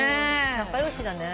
仲良しだね。